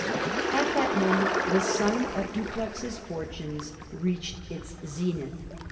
At that moment the sun of Dupleix^s fortunes reached its zenith.